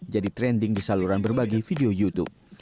jadi trending di saluran berbagi video youtube